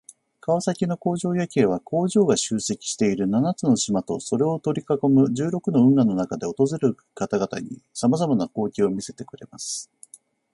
川崎の工場夜景は、工場が集積している七つの島とそれを取り囲む十六の運河の中で訪れる方々に様々な光景を見せてくれます。